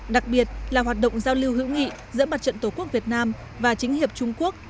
đặc biệt là hoạt động giao lưu hữu nghị giữa mặt trận tổ quốc việt nam và chính hiệp trung quốc